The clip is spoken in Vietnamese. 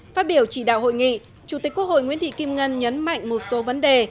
phát biểu chỉ đạo hội nghị chủ tịch quốc hội nguyễn thị kim ngân nhấn mạnh một số vấn đề